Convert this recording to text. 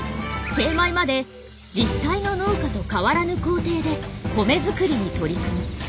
精米まで実際の農家と変わらぬ工程で米作りに取り組む。